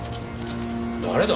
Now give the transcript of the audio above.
誰だ？